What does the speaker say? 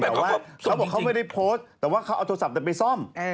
เขาบอกเขาไม่ได้โพสแต่ว่าเขาเอาโทษทัศน์ไปซ่อม